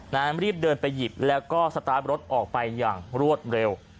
รีบเดินไปหยิบแล้วก็สตาร์ทรถออกไปอย่างรวดเร็ว